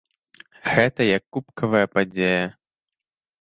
Гэта як кубкавая падзея.